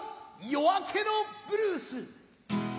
『夜明けのブルース』。